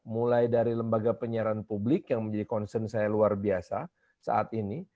mulai dari lembaga penyiaran publik yang menjadi concern saya luar biasa saat ini